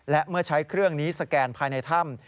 และเมื่อใช้เครื่องนี้สแกนภายในถ้ำ